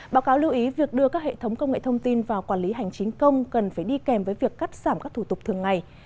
báo cáo lưu ý việc đưa các hệ thống công nghệ thông tin vào quản lý hành chính công cần phải đi kèm với việc cắt giảm các thủ tục thường ngày